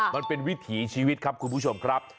มันเป็นวิถีชีวิตครับคุณผู้ชมครับ